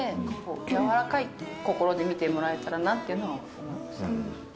やわらかい心で見てもらえたらなっていうのは思いますね。